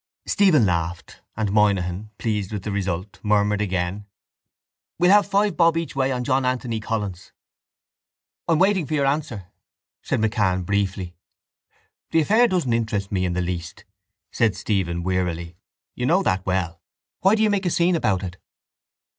Stephen laughed and Moynihan, pleased with the result, murmured again: —We'll have five bob each way on John Anthony Collins. —I am waiting for your answer, said MacCann briefly. —The affair doesn't interest me in the least, said Stephen wearily. You know that well. Why do you make a scene about it?